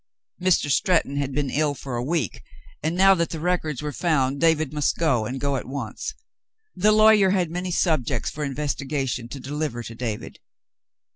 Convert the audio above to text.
Mr. Stretton had been ill for a week, and now that the records were found, David must go, and go at once. The lawyer had many subjects for investigation to deliver to David.